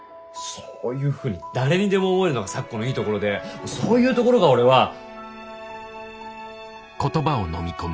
そういうふうに誰にでも思えるのが咲子のいいところでそういうところが俺は。